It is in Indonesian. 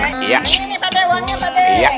ini nih pak d uangnya pak d